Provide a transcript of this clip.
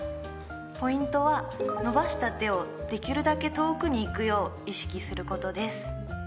ポイントは伸ばした手をできるだけ遠くにいくよう意識することです。